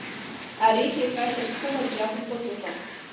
Аригьы ҳәашьа зқәым аӡәы иакәымкәа дыҟам…